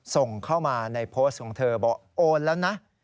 ส่งเข้ามาในโพสต์ของเธอบอกโอนแล้วนะ